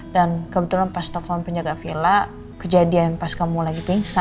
dan kebetulan pas telepon penjaga villa kejadian pas kamu lagi pingsan